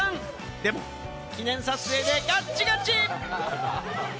でも、記念撮影でガッチガチ。